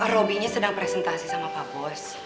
robby nya sedang presentasi sama pak bos